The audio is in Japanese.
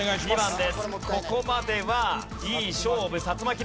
ここまではいい勝負。